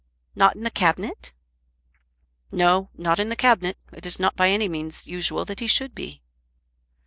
Not in the Cabinet?" "No; not in the Cabinet. It is not by any means usual that he should be."